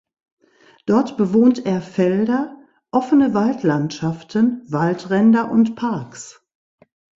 Dort bewohnt er Felder, offene Waldlandschaften, Waldränder und Parks.